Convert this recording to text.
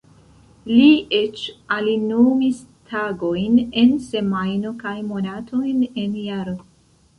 Li eĉ alinomis tagojn en semajno kaj monatojn en jaro.